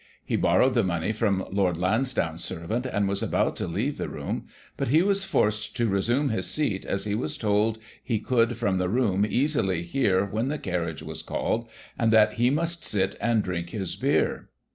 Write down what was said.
He borrowed the money from Lord Lans downe's servant, and was about to leave the room, but he was forced to resume his seat, as he was told he could, from the room, easily hear when the carriage was called, and that "he must sit and drink his beer."